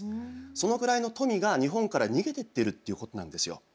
そのくらいの富が日本から逃げてっているっていうことなんですよ。